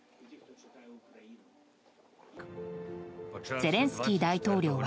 ゼレンスキー大統領は。